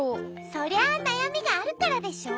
そりゃあなやみがあるからでしょ？